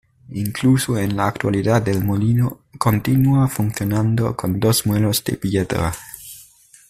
Incluso en la actualidad el molino continua funcionando con dos muelas de piedra.